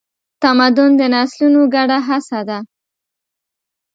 تمدن د نسلونو ګډه هڅه ده.